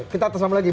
kita tersambung lagi